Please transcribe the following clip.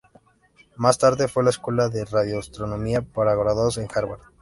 Más tarde fue a la escuela de radioastronomía para graduados en Harvard.